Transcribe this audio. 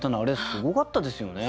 すごかったですね。